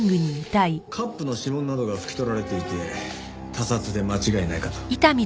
カップの指紋などが拭き取られていて他殺で間違いないかと。